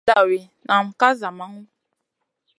Laŋ hadawi, nan ka zamaŋu.